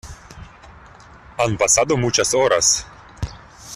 han pasado muchas horas.